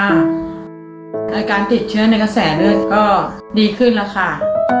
อาการติดเชื้อในกระแสเลือดก็ดีขึ้นแล้วค่ะ